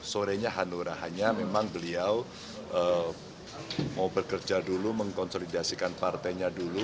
sorenya hanura hanya memang beliau mau bekerja dulu mengkonsolidasikan partainya dulu